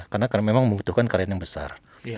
karena memang membutuhkan karyawan yang besar